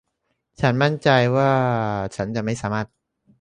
ฉันมั่นใจฉันจะไม่สามารถ